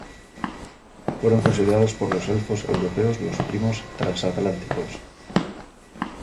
Fueron considerados por los Elfos Europeos los "primos transatlánticos".